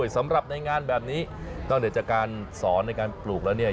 สำหรับในงานแบบนี้ต้องเดินจากการสอนในการปลูกแล้ว